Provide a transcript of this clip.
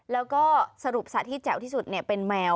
แล้วก็สรุปสัตว์ที่แจ๋วที่สุดเป็นแมว